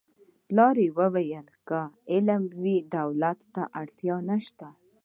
پلار یې ویل که علم وي دولت ته اړتیا نشته